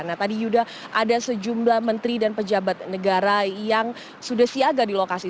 nah tadi yuda ada sejumlah menteri dan pejabat negara yang sudah siaga di lokasi